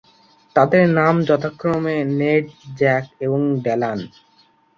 তাদের নাম যথাক্রমে নেড, জ্যাক এবং ড্যালান।